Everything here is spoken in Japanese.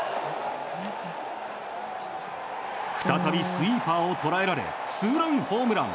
再びスイーパーをとらえられツーランホームラン。